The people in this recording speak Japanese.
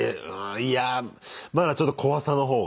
いやあまだちょっと怖さの方が。